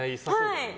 はい。